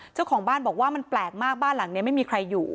เจ้าของบ้านบอกว่ามันแปลกมากบ้านหลังนี้ไม่มีใครอยู่